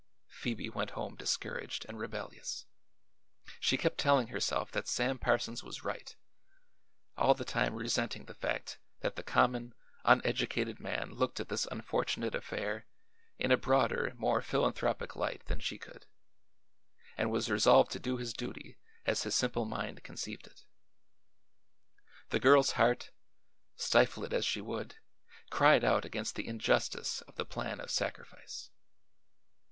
Phoebe went home discouraged and rebellious. She kept telling herself that Sam Parsons was right, all the time resenting the fact that the common, uneducated man looked at this unfortunate affair in a broader, more philanthropic light than she could, and was resolved to do his duty as his simple mind conceived it. The girl's heart, stifle it as she would, cried out against the injustice of the plan of sacrifice.